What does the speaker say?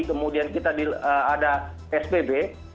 kemudian kita ada spb